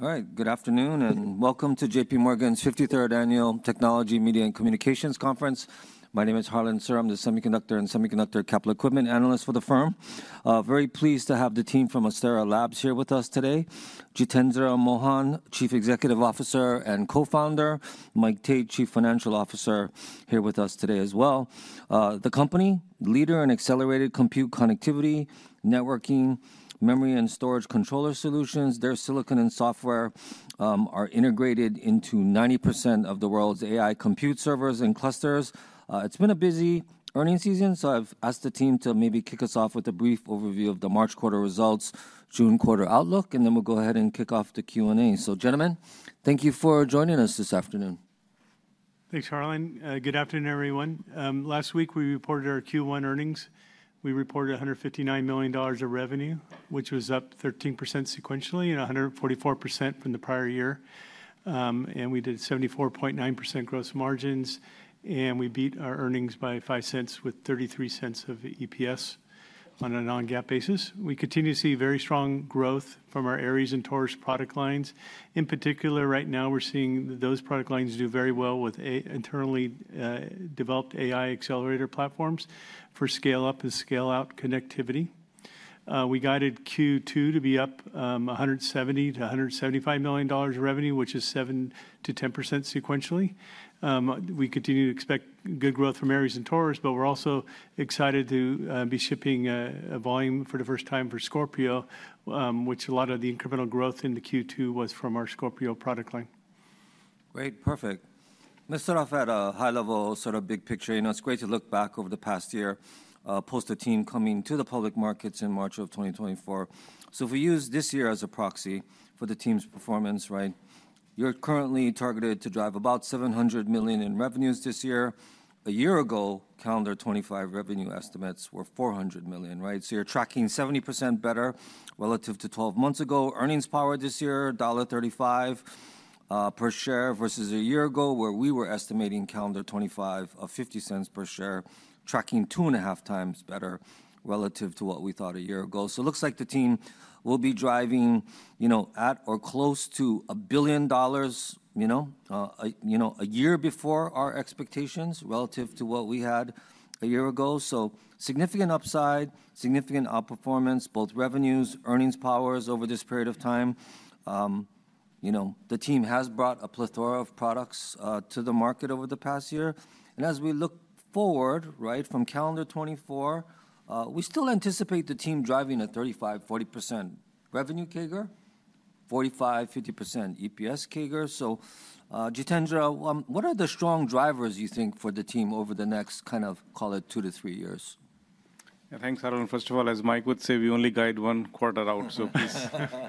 All right, good afternoon and welcome to JPMorgan's 53rd Annual Technology, Media, and Communications Conference. My name is Harlan Sur. I'm the Semiconductor and Semiconductor Capital Equipment Analyst for the firm. Very pleased to have the team from Astera Labs here with us today. Jitendra Mohan, Chief Executive Officer and Co-founder. Mike Tate, Chief Financial Officer, here with us today as well. The company leader in accelerated compute connectivity, networking, memory, and storage controller solutions. Their silicon and software are integrated into 90% of the world's AI compute servers and clusters. It's been a busy earnings season, so I've asked the team to maybe kick us off with a brief overview of the March quarter results, June quarter outlook, and then we'll go ahead and kick off the Q&A. Gentlemen, thank you for joining us this afternoon. Thanks, Harlan. Good afternoon, everyone. Last week, we reported our Q1 earnings. We reported $159 million of revenue, which was up 13% sequentially and 144% from the prior year. We did 74.9% gross margins, and we beat our earnings by $0.05 with $0.33 of EPS on a non-GAAP basis. We continue to see very strong growth from our Aries and Taurus product lines. In particular, right now, we're seeing those product lines do very well with internally developed AI accelerator platforms for scale-up and scale-out connectivity. We guided Q2 to be up $170-$175 million of revenue, which is 7%-10% sequentially. We continue to expect good growth from Aries and Taurus, but we're also excited to be shipping at volume for the first time for Scorpio, which a lot of the incremental growth in Q2 was from our Scorpio product line. Great. Perfect. Let's start off at a high level, sort of big picture. You know, it's great to look back over the past year post the team coming to the public markets in March of 2024. If we use this year as a proxy for the team's performance, right, you're currently targeted to drive about $700 million in revenues this year. A year ago, calendar 2025 revenue estimates were $400 million, right? You're tracking 70% better relative to 12 months ago. Earnings power this year, $1.35 per share versus a year ago where we were estimating calendar 2025 of $0.50 per share, tracking two and a half times better relative to what we thought a year ago. It looks like the team will be driving, you know, at or close to $1 billion, you know, a year before our expectations relative to what we had a year ago. Significant upside, significant outperformance, both revenues, earnings powers over this period of time. You know, the team has brought a plethora of products to the market over the past year. As we look forward, right, from calendar 2024, we still anticipate the team driving a 35%-40% revenue CAGR, 45%-50% EPS CAGR. Jitendra, what are the strong drivers you think for the team over the next kind of, call it two to three years? Yeah, thanks, Harlan. First of all, as Mike would say, we only guide one quarter out, so please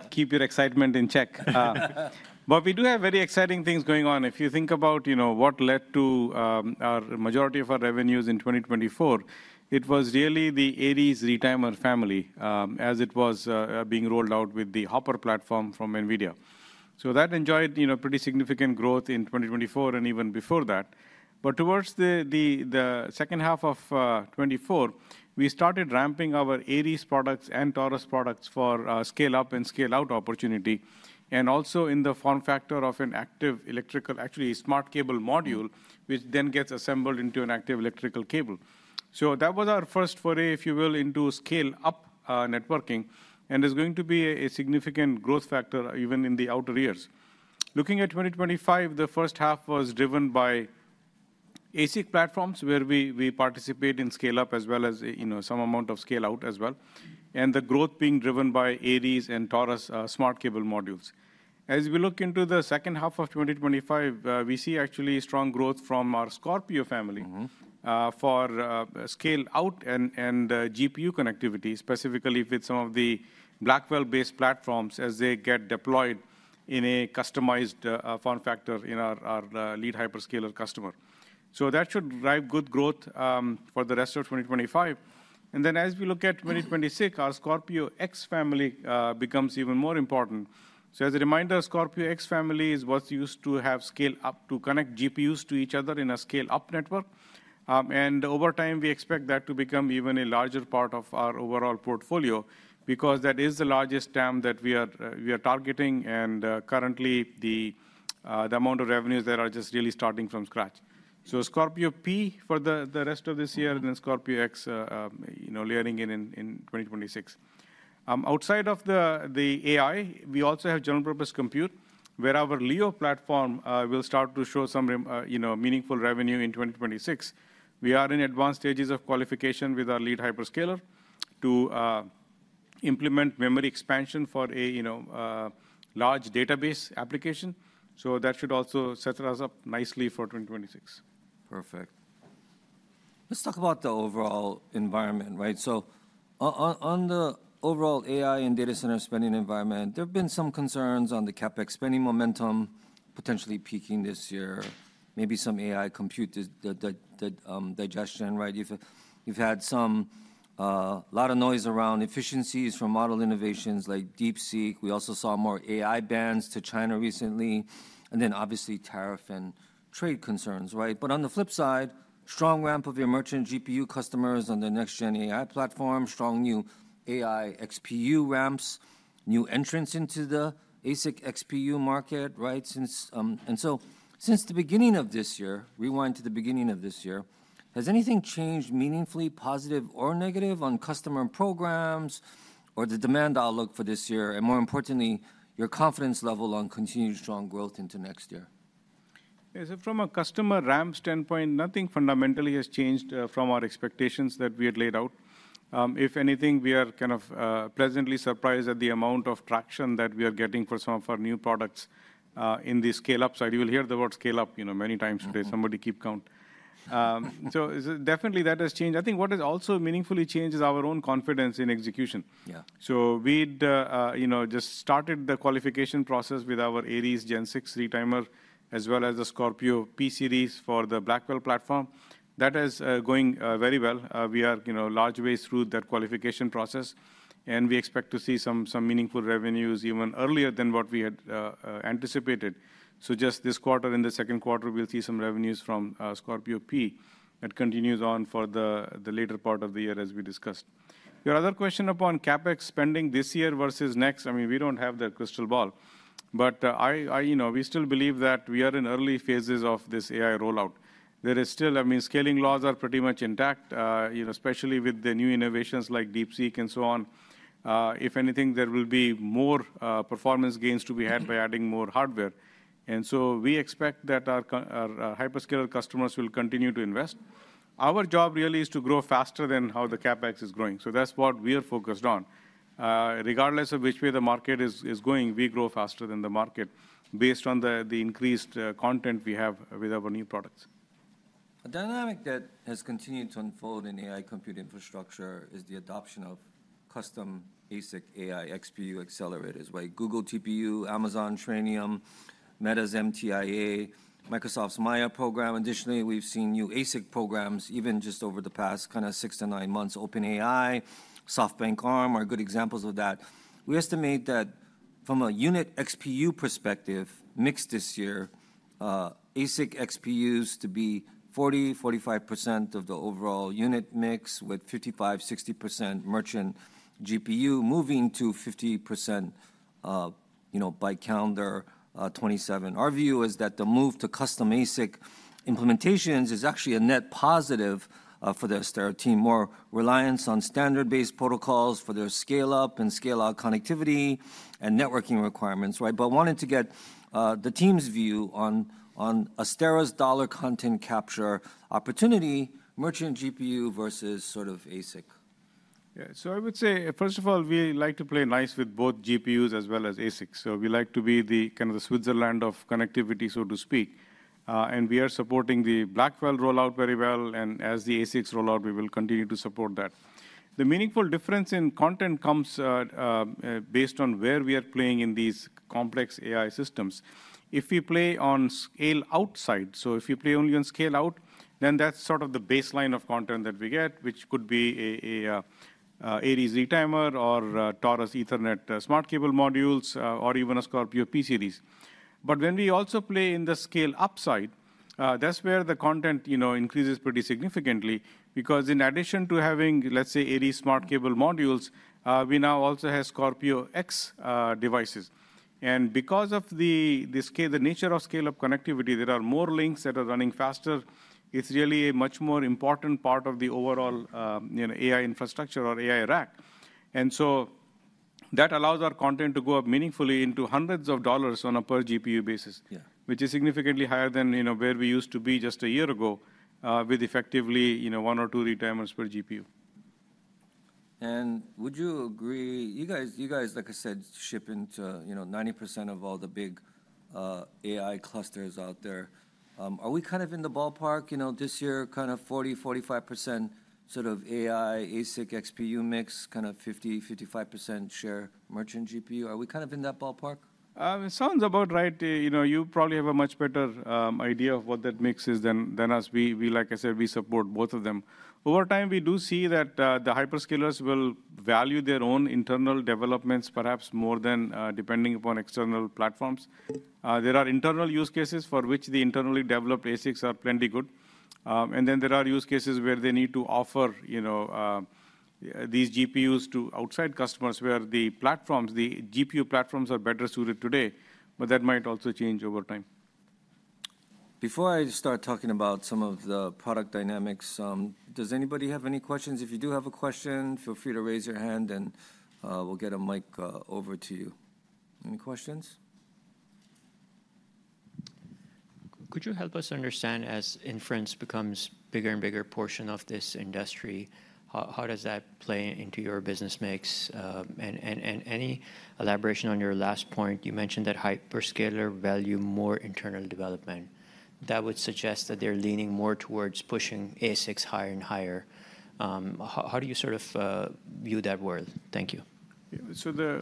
keep your excitement in check. But we do have very exciting things going on. If you think about, you know, what led to our majority of our revenues in 2024, it was really the Aries retimer family as it was being rolled out with the Hopper platform from NVIDIA. So that enjoyed, you know, pretty significant growth in 2024 and even before that. But towards the second half of 2024, we started ramping our Aries products and Taurus products for scale-up and scale-out opportunity, and also in the form factor of an active electrical, actually smart cable module, which then gets assembled into an active electrical cable. So that was our first foray, if you will, into scale-up networking, and it's going to be a significant growth factor even in the outer years. Looking at 2025, the first half was driven by ASIC platforms where we participate in scale-up as well as, you know, some amount of scale-out as well, and the growth being driven by Aries and Taurus smart cable modules. As we look into the second half of 2025, we see actually strong growth from our Scorpio family for scale-out and GPU connectivity, specifically with some of the Blackwell-based platforms as they get deployed in a customized form factor in our lead hyperscaler customer. That should drive good growth for the rest of 2025. As we look at 2026, our Scorpio X family becomes even more important. As a reminder, Scorpio X family is what's used to have scale-up to connect GPUs to each other in a scale-up network. Over time, we expect that to become even a larger part of our overall portfolio because that is the largest TAM that we are targeting. Currently, the amount of revenues are just really starting from scratch. Scorpio P for the rest of this year and then Scorpio X, you know, layering in in 2026. Outside of the AI, we also have general purpose compute where our Leo platform will start to show some, you know, meaningful revenue in 2026. We are in advanced stages of qualification with our lead hyperscaler to implement memory expansion for a, you know, large database application. That should also set us up nicely for 2026. Perfect. Let's talk about the overall environment, right? On the overall AI and data center spending environment, there have been some concerns on the CapEx spending momentum potentially peaking this year, maybe some AI compute digestion, right? You've had a lot of noise around efficiencies from model innovations like DeepSeek. We also saw more AI bans to China recently, and obviously tariff and trade concerns, right? On the flip side, strong ramp of your merchant GPU customers on the next-gen AI platform, strong new AI XPU ramps, new entrants into the ASIC XPU market, right? Since the beginning of this year, rewind to the beginning of this year, has anything changed meaningfully, positive or negative, on customer programs or the demand outlook for this year? More importantly, your confidence level on continued strong growth into next year? Yeah, so from a customer ramp standpoint, nothing fundamentally has changed from our expectations that we had laid out. If anything, we are kind of pleasantly surprised at the amount of traction that we are getting for some of our new products in the scale-up side. You will hear the word scale-up, you know, many times today. Somebody keep count. Definitely that has changed. I think what has also meaningfully changed is our own confidence in execution. Yeah. We'd, you know, just started the qualification process with our Aries Gen six retimer as well as the Scorpio P Series for the Blackwell platform. That is going very well. We are, you know, large ways through that qualification process, and we expect to see some meaningful revenues even earlier than what we had anticipated. Just this quarter and the second quarter, we'll see some revenues from Scorpio P that continues on for the later part of the year as we discussed. Your other question upon CapEx spending this year versus next, I mean, we don't have the crystal ball, but I, you know, we still believe that we are in early phases of this AI rollout. There is still, I mean, scaling laws are pretty much intact, you know, especially with the new innovations like DeepSeek and so on. If anything, there will be more performance gains to be had by adding more hardware. We expect that our hyperscaler customers will continue to invest. Our job really is to grow faster than how the CapEx is growing. That is what we are focused on. Regardless of which way the market is going, we grow faster than the market based on the increased content we have with our new products. A dynamic that has continued to unfold in AI compute infrastructure is the adoption of custom ASIC AI XPU accelerators, right? Google TPU, Amazon Trainium, Meta's MTIA, Microsoft's Maya program. Additionally, we've seen new ASIC programs even just over the past kind of six to nine months. OpenAI, SoftBank, Arm are good examples of that. We estimate that from a unit XPU perspective, mix this year, ASIC XPUs to be 40%-45% of the overall unit mix with 55%-60% merchant GPU moving to 50%, you know, by calendar 2027. Our view is that the move to custom ASIC implementations is actually a net positive for the Astera team, more reliance on standard-based protocols for their scale-up and scale-out connectivity and networking requirements, right? I wanted to get the team's view on Astera's dollar content capture opportunity, merchant GPU versus sort of ASIC. Yeah, so I would say, first of all, we like to play nice with both GPUs as well as ASIC. We like to be the kind of the Switzerland of connectivity, so to speak. We are supporting the Blackwell rollout very well. As the ASICs rollout, we will continue to support that. The meaningful difference in content comes based on where we are playing in these complex AI systems. If we play on scale-out side, so if we play only on scale-out, then that's sort of the baseline of content that we get, which could be an Aries retimer or Taurus Ethernet smart cable modules or even a Scorpio P Series. When we also play in the scale-up side, that's where the content, you know, increases pretty significantly because in addition to having, let's say, Aries smart cable modules, we now also have Scorpio X devices. Because of the nature of scale-up connectivity, there are more links that are running faster. It's really a much more important part of the overall, you know, AI infrastructure or AI rack. That allows our content to go up meaningfully into hundreds of dollars on a per GPU basis, which is significantly higher than, you know, where we used to be just a year ago with effectively, you know, one or two retimers per GPU. Would you agree, you guys, like I said, ship into, you know, 90% of all the big AI clusters out there? Are we kind of in the ballpark, you know, this year, kind of 40%-45% sort of AI, ASIC, XPU mix, kind of 50%-55% share merchant GPU? Are we kind of in that ballpark? It sounds about right. You know, you probably have a much better idea of what that mix is than us. We, like I said, we support both of them. Over time, we do see that the hyperscalers will value their own internal developments perhaps more than depending upon external platforms. There are internal use cases for which the internally developed ASICs are plenty good. And then there are use cases where they need to offer, you know, these GPUs to outside customers where the platforms, the GPU platforms are better suited today, but that might also change over time. Before I start talking about some of the product dynamics, does anybody have any questions? If you do have a question, feel free to raise your hand and we'll get a mic over to you. Any questions? Could you help us understand as inference becomes a bigger and bigger portion of this industry, how does that play into your business mix? Any elaboration on your last point? You mentioned that hyperscalers value more internal development. That would suggest that they're leaning more towards pushing ASICs higher and higher. How do you sort of view that world? Thank you.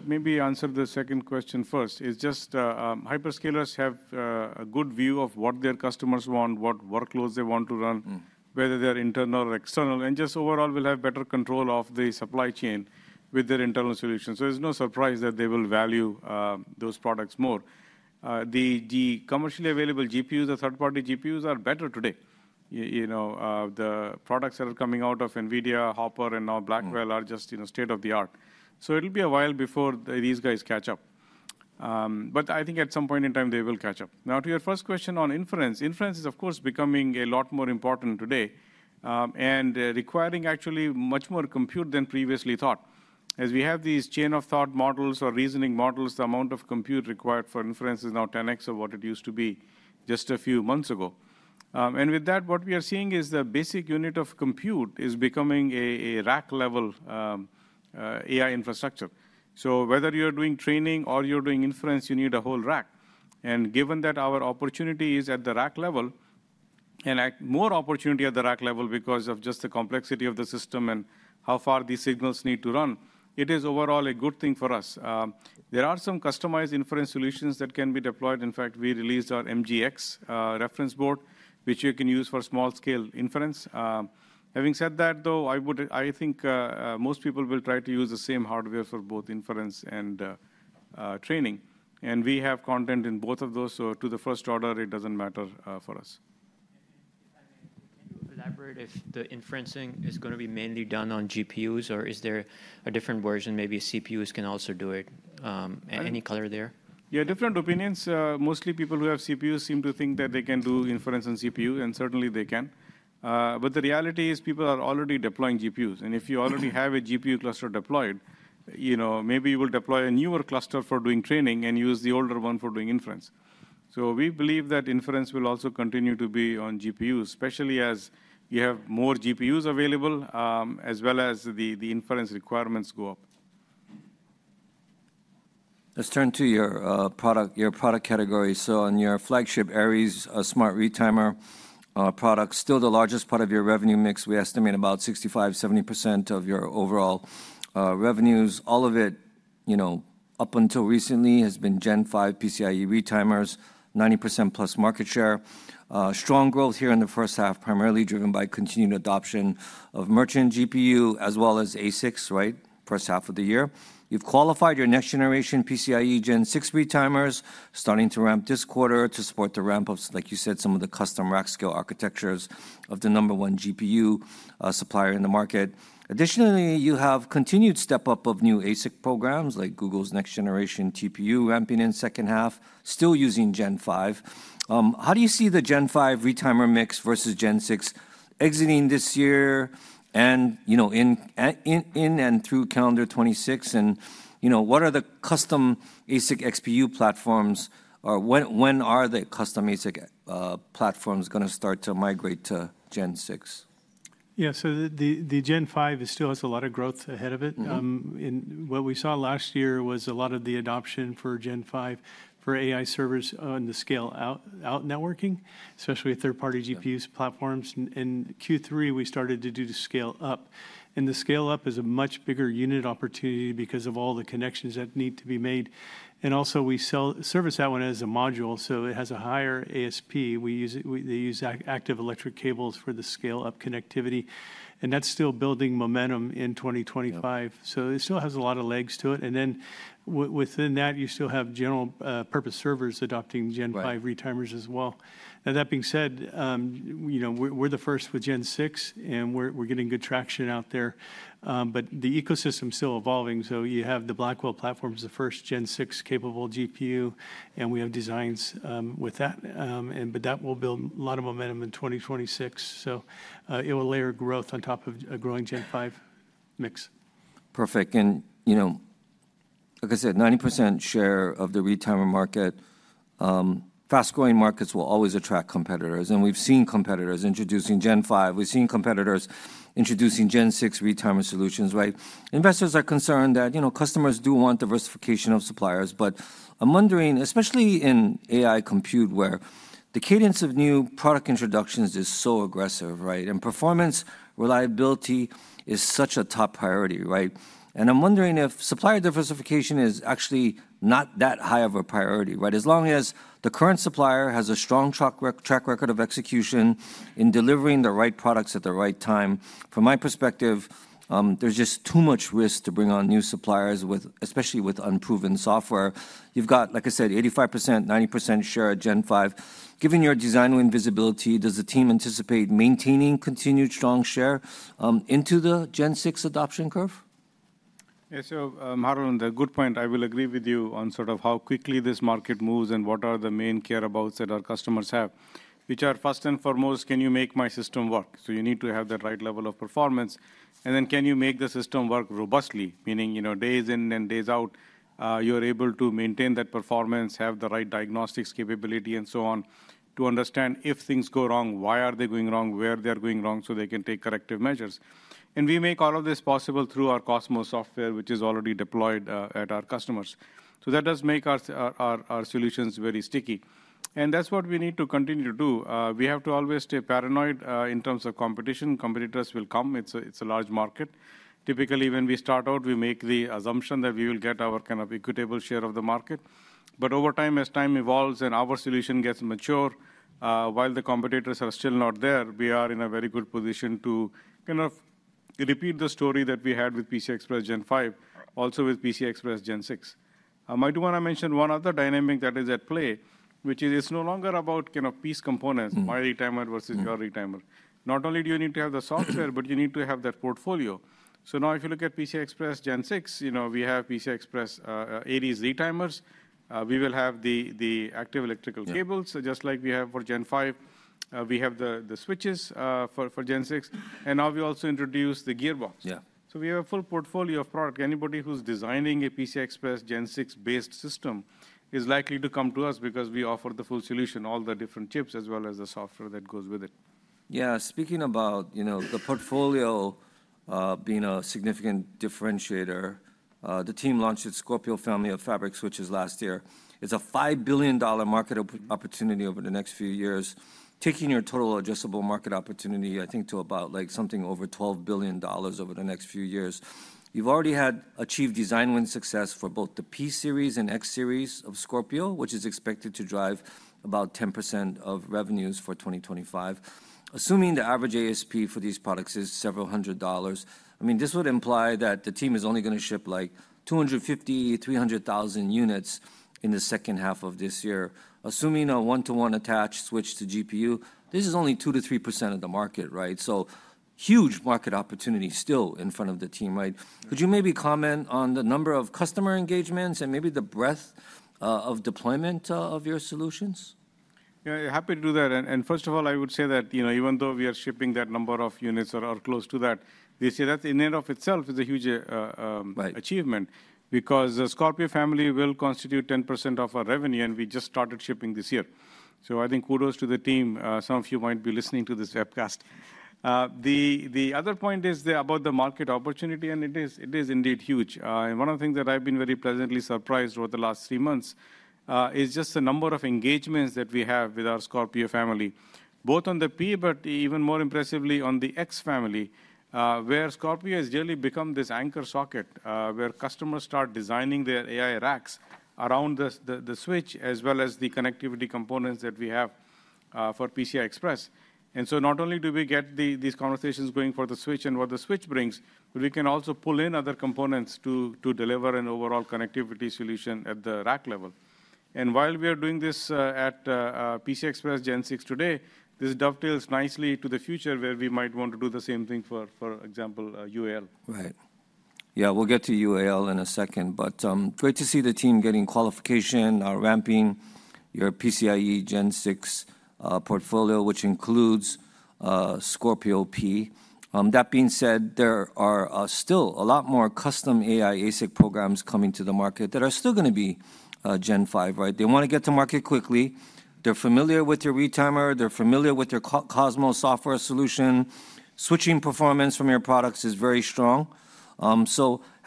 Maybe to answer the second question first, hyperscalers have a good view of what their customers want, what workloads they want to run, whether they're internal or external. Overall, they'll have better control of the supply chain with their internal solutions. It's no surprise that they will value those products more. The commercially available GPUs, the third-party GPUs, are better today. You know, the products that are coming out of NVIDIA, Hopper, and now Blackwell are just, you know, state of the art. It'll be a while before these guys catch up. I think at some point in time, they will catch up. Now, to your first question on inference, inference is of course becoming a lot more important today and requiring actually much more compute than previously thought. As we have these chain-of-thought models or reasoning models, the amount of compute required for inference is now 10X of what it used to be just a few months ago. With that, what we are seeing is the basic unit of compute is becoming a rack-level AI infrastructure. Whether you're doing training or you're doing inference, you need a whole rack. Given that our opportunity is at the rack level and more opportunity at the rack level because of just the complexity of the system and how far these signals need to run, it is overall a good thing for us. There are some customized inference solutions that can be deployed. In fact, we released our MGX reference board, which you can use for small-scale inference. Having said that, though, I think most people will try to use the same hardware for both inference and training. We have content in both of those. To the first order, it doesn't matter for us. Can you elaborate if the inferencing is going to be mainly done on GPUs or is there a different version, maybe CPUs can also do it? Any color there? Yeah, different opinions. Mostly people who have CPUs seem to think that they can do inference on CPU, and certainly they can. The reality is people are already deploying GPUs. If you already have a GPU cluster deployed, you know, maybe you will deploy a newer cluster for doing training and use the older one for doing inference. We believe that inference will also continue to be on GPUs, especially as you have more GPUs available as well as the inference requirements go up. Let's turn to your product category. On your flagship Aries smart retimer product, still the largest part of your revenue mix, we estimate about 65%-70% of your overall revenues. All of it, you know, up until recently has been Gen five PCIe retimers, 90%+ market share. Strong growth here in the first half, primarily driven by continued adoption of merchant GPU as well as ASICs, right? First half of the year. You have qualified your next generation PCIe Gen six retimers starting to ramp this quarter to support the ramp of, like you said, some of the custom rack scale architectures of the number one GPU supplier in the market. Additionally, you have continued step-up of new ASIC programs like Google's next-generation TPU ramping in the second half, still using Gen five. How do you see the Gen five retimer mix versus Gen six exiting this year and, you know, in and through calendar 2026? And, you know, what are the custom ASIC XPU platforms or when are the custom ASIC platforms going to start to migrate to Gen six? Yeah, so the Gen five still has a lot of growth ahead of it. What we saw last year was a lot of the adoption for Gen five for AI servers on the scale-out networking, especially third-party GPU platforms. In Q3, we started to do the scale-up. The scale-up is a much bigger unit opportunity because of all the connections that need to be made. Also, we service that one as a module, so it has a higher ASP. They use active electrical cables for the scale-up connectivity. That is still building momentum in 2025. It still has a lot of legs to it. Within that, you still have general-purpose servers adopting Gen five retimers as well. Now, that being said, you know, we're the first with Gen six and we're getting good traction out there. The ecosystem's still evolving. You have the Blackwell platforms, the first Gen six capable GPU, and we have designs with that. That will build a lot of momentum in 2026. It will layer growth on top of a growing Gen five mix. Perfect. You know, like I said, 90% share of the retimer market, fast-growing markets will always attract competitors. We've seen competitors introducing Gen five. We've seen competitors introducing Gen six retimer solutions, right? Investors are concerned that, you know, customers do want diversification of suppliers. I'm wondering, especially in AI compute where the cadence of new product introductions is so aggressive, right? Performance reliability is such a top priority, right? I'm wondering if supplier diversification is actually not that high of a priority, right? As long as the current supplier has a strong track record of execution in delivering the right products at the right time, from my perspective, there's just too much risk to bring on new suppliers, especially with unproven software. You've got, like I said, 85%-90% share of Gen five. Given your design win visibility, does the team anticipate maintaining continued strong share into the Gen six adoption curve? Yeah, so Harlan, a good point. I will agree with you on sort of how quickly this market moves and what are the main care about that our customers have, which are first and foremost, can you make my system work? You need to have the right level of performance. Can you make the system work robustly, meaning, you know, days in and days out, you're able to maintain that performance, have the right diagnostics capability, and so on to understand if things go wrong, why are they going wrong, where they're going wrong so they can take corrective measures. We make all of this possible through our Cosmos software, which is already deployed at our customers. That does make our solutions very sticky. That's what we need to continue to do. We have to always stay paranoid in terms of competition. Competitors will come. It's a large market. Typically, when we start out, we make the assumption that we will get our kind of equitable share of the market. Over time, as time evolves and our solution gets mature, while the competitors are still not there, we are in a very good position to kind of repeat the story that we had with PCIe Gen five, also with PCIe Gen six. I do want to mention one other dynamic that is at play, which is it's no longer about kind of piece components, my retimer versus your retimer. Not only do you need to have the software, but you need to have that portfolio. Now if you look at PCIe Gen six, you know, we have PCIe Aries retimers. We will have the active electrical cables. Just like we have for Gen five, we have the switches for Gen six. Now we also introduce the gearbox. We have a full portfolio of product. Anybody who's designing a PCIe Gen six-based system is likely to come to us because we offer the full solution, all the different chips as well as the software that goes with it. Yeah, speaking about, you know, the portfolio being a significant differentiator, the team launched its Scorpio family of fabric switches last year. It's a $5 billion market opportunity over the next few years, taking your total addressable market opportunity, I think, to about like something over $12 billion over the next few years. You've already achieved design win success for both the P Series and X Series of Scorpio, which is expected to drive about 10% of revenues for 2025. Assuming the average ASP for these products is several hundred dollars, I mean, this would imply that the team is only going to ship like 250,000-300,000 units in the second half of this year. Assuming a one-to-one attached switch to GPU, this is only 2%-3% of the market, right? Huge market opportunity still in front of the team, right? Could you maybe comment on the number of customer engagements and maybe the breadth of deployment of your solutions? Yeah, I'm happy to do that. First of all, I would say that, you know, even though we are shipping that number of units or close to that, they say that in and of itself is a huge achievement because the Scorpio family will constitute 10% of our revenue, and we just started shipping this year. I think kudos to the team. Some of you might be listening to this webcast. The other point is about the market opportunity, and it is indeed huge. One of the things that I've been very pleasantly surprised over the last three months is just the number of engagements that we have with our Scorpio family, both on the P, but even more impressively on the X family, where Scorpio has really become this anchor socket where customers start designing their AI racks around the switch as well as the connectivity components that we have for PCI Express. Not only do we get these conversations going for the switch and what the switch brings, but we can also pull in other components to deliver an overall connectivity solution at the rack level. While we are doing this at PCI Express Gen six today, this dovetails nicely to the future where we might want to do the same thing for, for example, UAL. Right. Yeah, we'll get to UAL in a second, but great to see the team getting qualification, ramping your PCIe Gen six portfolio, which includes Scorpio P. That being said, there are still a lot more custom AI ASIC programs coming to the market that are still going to be Gen five, right? They want to get to market quickly. They're familiar with your retimer. They're familiar with your Cosmos software solution. Switching performance from your products is very strong.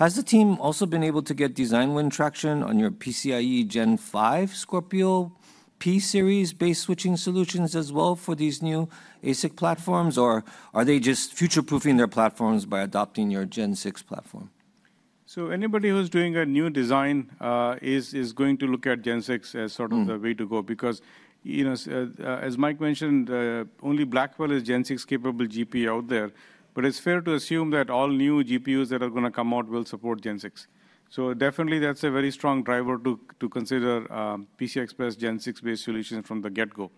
Has the team also been able to get design win traction on your PCIe Gen five Scorpio P series-based switching solutions as well for these new ASIC platforms, or are they just future-proofing their platforms by adopting your Gen six platform? So anybody who's doing a new design is going to look at Gen six as sort of the way to go because, you know, as Mike mentioned, only Blackwell is Gen six capable GPU out there, but it's fair to assume that all new GPUs that are going to come out will support Gen six. Definitely that's a very strong driver to consider PCIe Gen six-based solutions from the get-go.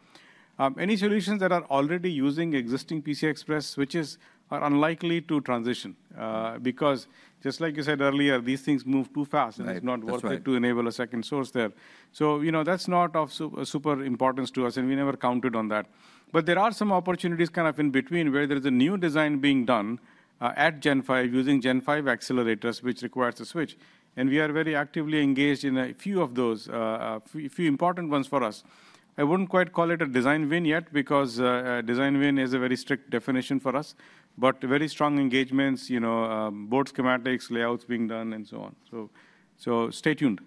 Any solutions that are already using existing PCIe switches are unlikely to transition because, just like you said earlier, these things move too fast, and it's not worth it to enable a second source there. You know, that's not of super importance to us, and we never counted on that. There are some opportunities kind of in between where there's a new design being done at Gen five using Gen five accelerators, which requires a switch. We are very actively engaged in a few of those, a few important ones for us. I wouldn't quite call it a design win yet because design win is a very strict definition for us, but very strong engagements, you know, board schematics, layouts being done, and so on. Stay tuned.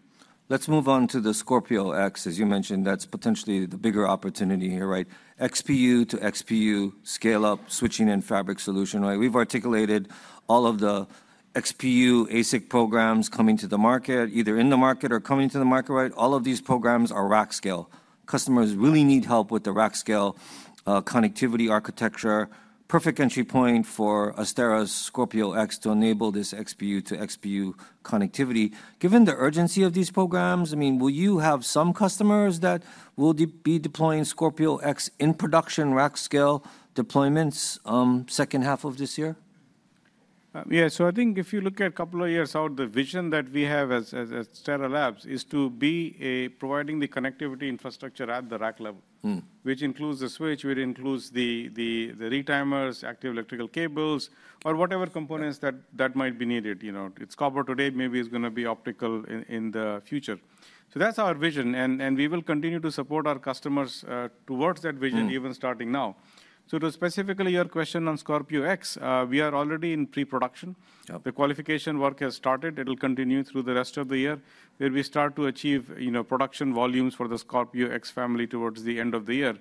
Let's move on to the Scorpio X. As you mentioned, that's potentially the bigger opportunity here, right? XPU to XPU scale-up switching and fabric solution, right? We've articulated all of the XPU ASIC programs coming to the market, either in the market or coming to the market, right? All of these programs are rack scale. Customers really need help with the rack scale connectivity architecture. Perfect entry point for Astera's Scorpio X to enable this XPU to XPU connectivity. Given the urgency of these programs, I mean, will you have some customers that will be deploying Scorpio X in production rack scale deployments second half of this year? Yeah, so I think if you look at a couple of years out, the vision that we have at Astera Labs is to be providing the connectivity infrastructure at the rack level, which includes the switch, which includes the retimers, active electrical cables, or whatever components that might be needed. You know, it's copper today, maybe it's going to be optical in the future. That is our vision, and we will continue to support our customers towards that vision even starting now. To specifically your question on Scorpio X, we are already in pre-production. The qualification work has started. It'll continue through the rest of the year where we start to achieve, you know, production volumes for the Scorpio X family towards the end of the year.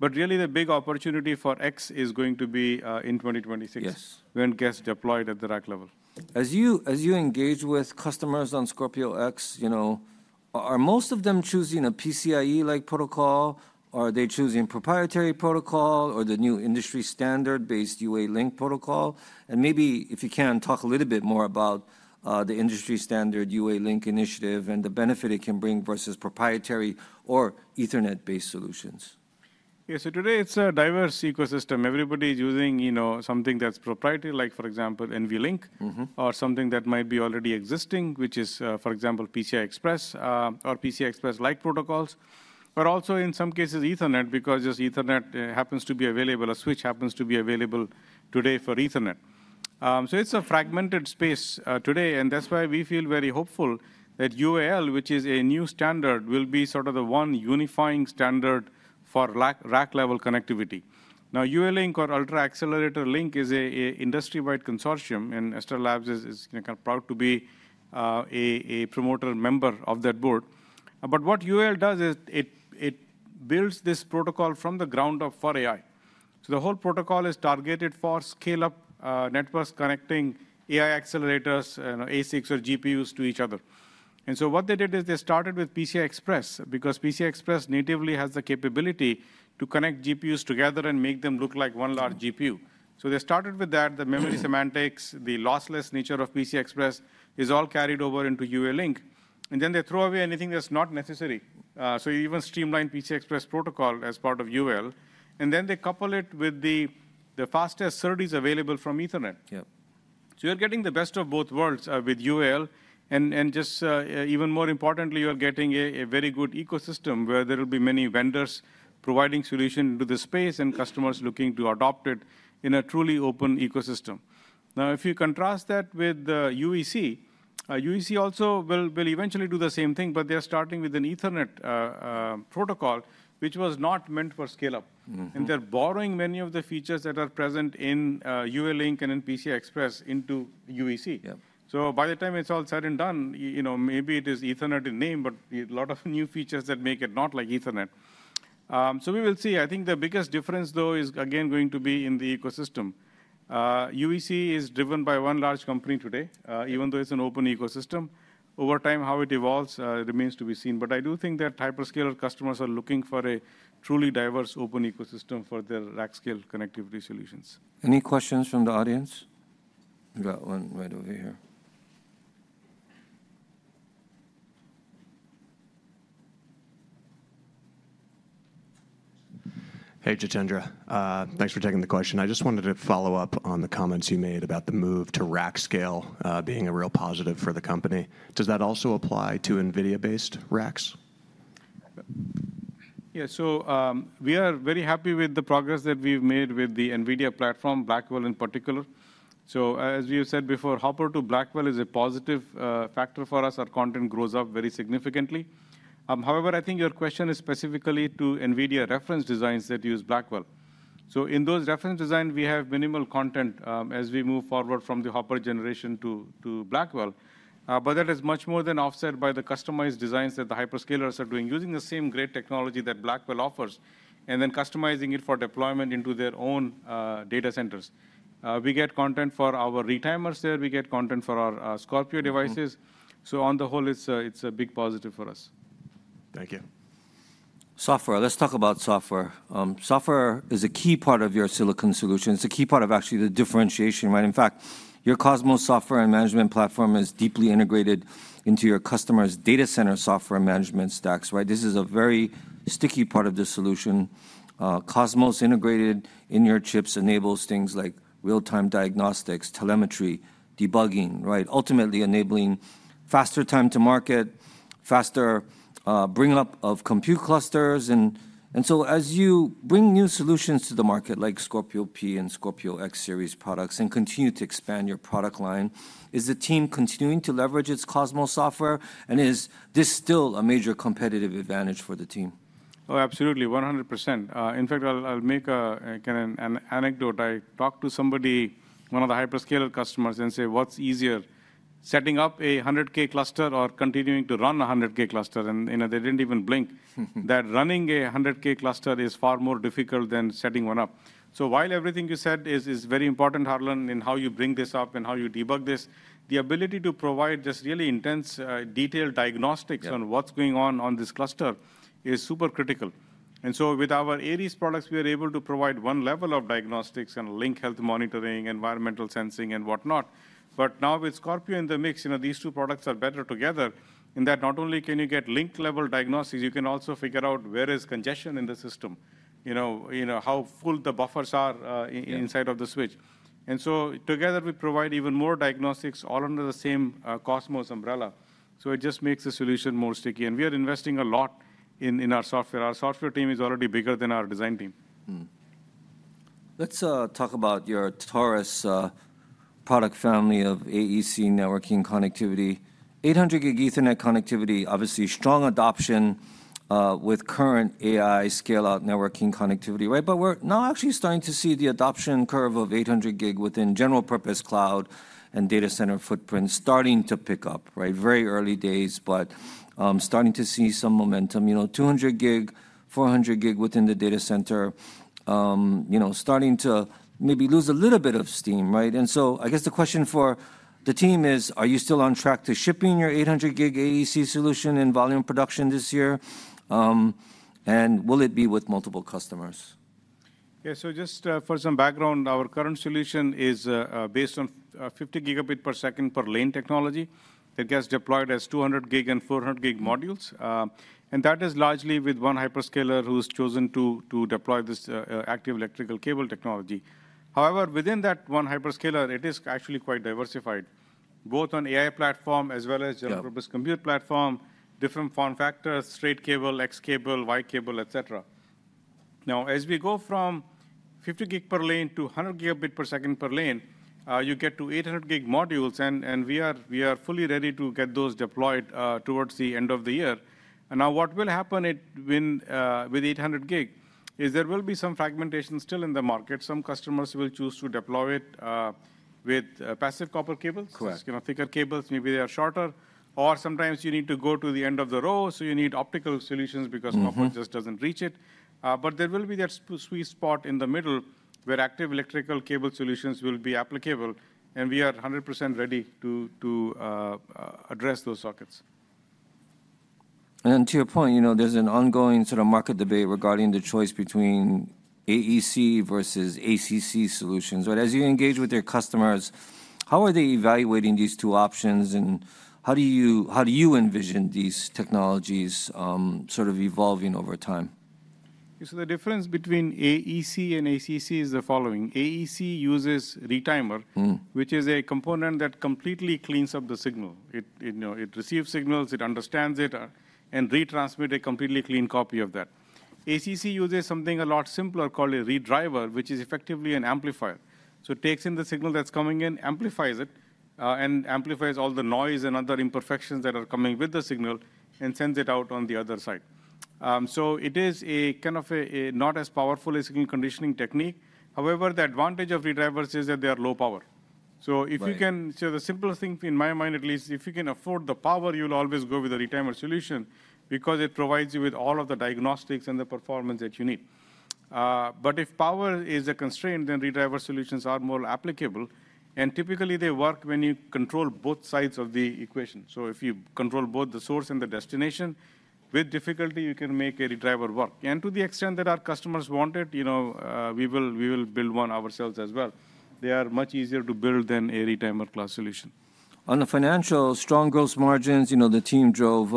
Really, the big opportunity for Scorpio X is going to be in 2026 when it gets deployed at the rack level. As you engage with customers on Scorpio X, you know, are most of them choosing a PCIe-like protocol, or are they choosing proprietary protocol, or the new industry standard-based UALink protocol? Maybe if you can talk a little bit more about the industry standard UALink initiative and the benefit it can bring versus proprietary or Ethernet-based solutions. Yeah, so today it's a diverse ecosystem. Everybody's using, you know, something that's proprietary, like for example, NVLink, or something that might be already existing, which is, for example, PCI Express or PCI Express-like protocols, but also in some cases Ethernet because just Ethernet happens to be available, a switch happens to be available today for Ethernet. It's a fragmented space today, and that's why we feel very hopeful that UAL, which is a new standard, will be sort of the one unifying standard for rack-level connectivity. Now, UALink or Ultra Accelerator Link is an industry-wide consortium, and Astera Labs is kind of proud to be a promoter member of that board. What UALink does is it builds this protocol from the ground up for AI. The whole protocol is targeted for scale-up networks connecting AI accelerators, ASICs, or GPUs to each other. What they did is they started with PCIe because PCIe natively has the capability to connect GPUs together and make them look like one large GPU. They started with that. The memory semantics, the lossless nature of PCIe is all carried over into UALink, and then they throw away anything that's not necessary. You even streamline PCIe protocol as part of UAL, and then they couple it with the fastest SerDes available from Ethernet. You're getting the best of both worlds with UAL, and just even more importantly, you're getting a very good ecosystem where there will be many vendors providing solutions to the space and customers looking to adopt it in a truly open ecosystem. Now, if you contrast that with UEC, UEC also will eventually do the same thing, but they're starting with an Ethernet protocol, which was not meant for scale-up, and they're borrowing many of the features that are present in UALink and in PCIe Express into UEC. By the time it's all said and done, you know, maybe it is Ethernet in name, but a lot of new features that make it not like Ethernet. We will see. I think the biggest difference, though, is again going to be in the ecosystem. UEC is driven by one large company today, even though it's an open ecosystem. Over time, how it evolves remains to be seen, but I do think that hyperscaler customers are looking for a truly diverse open ecosystem for their rack scale connectivity solutions. Any questions from the audience? We got one right over here. Hey, Jitendra, thanks for taking the question. I just wanted to follow up on the comments you made about the move to rack scale being a real positive for the company. Does that also apply to NVIDIA-based racks? Yeah, so we are very happy with the progress that we've made with the NVIDIA platform, Blackwell in particular. As you said before, Hopper to Blackwell is a positive factor for us. Our content grows up very significantly. However, I think your question is specifically to NVIDIA reference designs that use Blackwell. In those reference designs, we have minimal content as we move forward from the Hopper generation to Blackwell, but that is much more than offset by the customized designs that the hyperscalers are doing, using the same great technology that Blackwell offers, and then customizing it for deployment into their own data centers. We get content for our retimers there. We get content for our Scorpio devices. On the whole, it's a big positive for us. Thank you. Software, let's talk about software. Software is a key part of your silicon solution. It's a key part of actually the differentiation, right? In fact, your Cosmos software and management platform is deeply integrated into your customer's data center software management stacks, right? This is a very sticky part of the solution. Cosmos integrated in your chips enables things like real-time diagnostics, telemetry, debugging, right? Ultimately enabling faster time to market, faster bring-up of compute clusters. As you bring new solutions to the market like Scorpio P and Scorpio X series products and continue to expand your product line, is the team continuing to leverage its Cosmos software? Is this still a major competitive advantage for the team? Oh, absolutely, 100%. In fact, I'll make an anecdote. I talked to somebody, one of the hyperscaler customers, and said, "What's easier, setting up a 100K cluster or continuing to run a 100K cluster?" They didn't even blink. That running a 100K cluster is far more difficult than setting one up. While everything you said is very important, Harlan, in how you bring this up and how you debug this, the ability to provide just really intense, detailed diagnostics on what's going on on this cluster is super critical. With our Aries products, we are able to provide one level of diagnostics and link health monitoring, environmental sensing, and whatnot. Now with Scorpio in the mix, you know, these two products are better together in that not only can you get link-level diagnostics, you can also figure out where is congestion in the system, you know, how full the buffers are inside of the switch. Together, we provide even more diagnostics all under the same Cosmos umbrella. It just makes the solution more sticky. We are investing a lot in our software. Our software team is already bigger than our design team. Let's talk about your Taurus product family of AEC networking connectivity. 800 gig Ethernet connectivity, obviously strong adoption with current AI scale-out networking connectivity, right? We're now actually starting to see the adoption curve of 800 gig within general purpose cloud and data center footprint starting to pick up, right? Very early days, but starting to see some momentum, you know, 200 gig, 400 gig within the data center, you know, starting to maybe lose a little bit of steam, right? I guess the question for the team is, are you still on track to shipping your 800 gig AEC solution in volume production this year? Will it be with multiple customers? Yeah, so just for some background, our current solution is based on 50 Gbps per lane technology. It gets deployed as 200 gig and 400 gig modules. That is largely with one hyperscaler who's chosen to deploy this active electrical cable technology. However, within that one hyperscaler, it is actually quite diversified, both on AI platform as well as general purpose compute platform, different form factors, straight cable, X cable, Y cable, et cetera. Now, as we go from 50 gig per lane to 100 Gbps per lane, you get to 800 gig modules, and we are fully ready to get those deployed towards the end of the year. Now what will happen with 800 gig is there will be some fragmentation still in the market. Some customers will choose to deploy it with passive copper cables, you know, thicker cables, maybe they are shorter, or sometimes you need to go to the end of the row, so you need optical solutions because copper just doesn't reach it. There will be that sweet spot in the middle where active electrical cable solutions will be applicable, and we are 100% ready to address those sockets. To your point, you know, there's an ongoing sort of market debate regarding the choice between AEC versus ACC solutions. As you engage with your customers, how are they evaluating these two options, and how do you envision these technologies sort of evolving over time? The difference between AEC and ACC is the following. AEC uses a retimer, which is a component that completely cleans up the signal. It receives signals, it understands it, and retransmits a completely clean copy of that. ACC uses something a lot simpler called a redriver, which is effectively an amplifier. It takes in the signal that's coming in, amplifies it, and amplifies all the noise and other imperfections that are coming with the signal and sends it out on the other side. It is kind of not as powerful as a conditioning technique. However, the advantage of redrivers is that they are low power. The simplest thing in my mind, at least, if you can afford the power, you'll always go with a retimer solution because it provides you with all of the diagnostics and the performance that you need. If power is a constraint, then redriver solutions are more applicable, and typically they work when you control both sides of the equation. So if you control both the source and the destination, with difficulty, you can make a redriver work. To the extent that our customers want it, you know, we will build one ourselves as well. They are much easier to build than a retimer class solution. On the financial, strong gross margins, you know, the team drove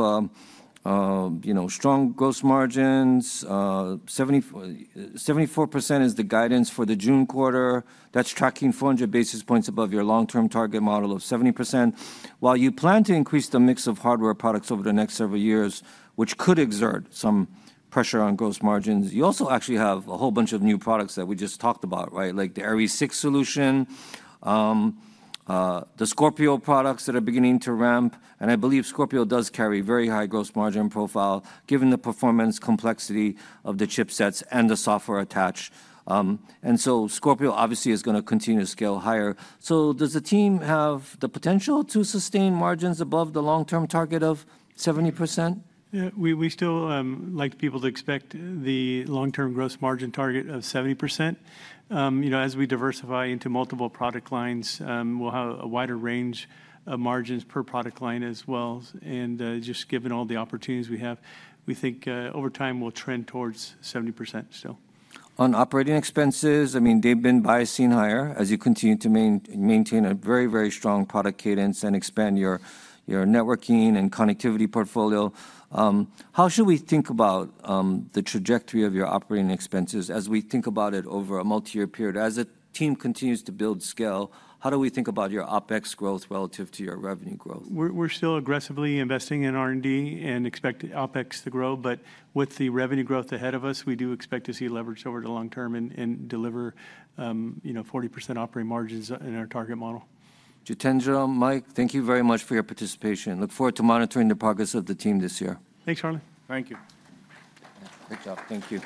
strong gross margins. 74% is the guidance for the June quarter. That's tracking 400 basis points above your long-term target model of 70%. While you plan to increase the mix of hardware products over the next several years, which could exert some pressure on gross margins, you also actually have a whole bunch of new products that we just talked about, right? Like the Aries six solution, the Scorpio products that are beginning to ramp. I believe Scorpio does carry a very high gross margin profile given the performance complexity of the chipsets and the software attached. Scorpio obviously is going to continue to scale higher. Does the team have the potential to sustain margins above the long-term target of 70%? Yeah, we still like people to expect the long-term gross margin target of 70%. You know, as we diversify into multiple product lines, we'll have a wider range of margins per product line as well. Just given all the opportunities we have, we think over time we'll trend towards 70% still. On operating expenses, I mean, they've been biasing higher as you continue to maintain a very, very strong product cadence and expand your networking and connectivity portfolio. How should we think about the trajectory of your operating expenses as we think about it over a multi-year period? As the team continues to build scale, how do we think about your OpEx growth relative to your revenue growth? We're still aggressively investing in R&D and expect OpEx to grow, but with the revenue growth ahead of us, we do expect to see leverage over the long term and deliver, you know, 40% operating margins in our target model. Jitendra, Mike, thank you very much for your participation. Look forward to monitoring the progress of the team this year. Thanks, Harlan. Thank you. Great job. Thank you.